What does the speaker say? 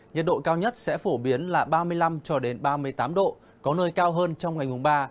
nhật độ cao nhất sẽ phổ biến là ba mươi năm ba mươi tám độ có nơi cao hơn trong ngày mùng ba